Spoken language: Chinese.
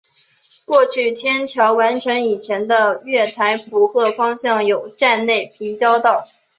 过去天桥完成以前的月台浦贺方向有站内平交道。